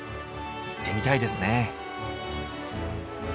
行ってみたいですね。